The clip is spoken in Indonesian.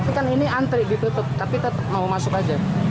tapi kan ini antri ditutup tapi tetap mau masuk aja